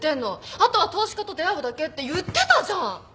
あとは投資家と出会うだけって言ってたじゃん。